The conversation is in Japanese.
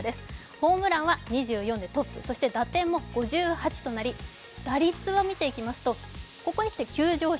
ホームランは２４でトップ、打点も５８となり、打率を見ていきますと、ここへきて急上昇。